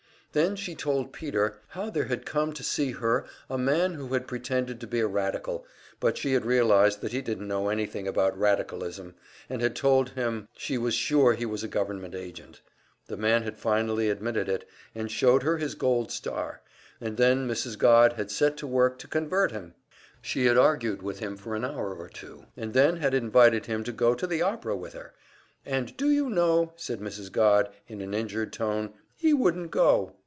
Then she told Peter how there had come to see her a man who had pretended to be a radical, but she had realized that he didn't know anything about radicalism, and had told him she was sure he was a government agent. The man had finally admitted it, and showed her his gold star and then Mrs. Godd had set to work to convert him! She had argued with him for an hour or two, and then had invited him to go to the opera with her. "And do you know," said Mrs. Godd, in an injured tone, "he wouldn't go!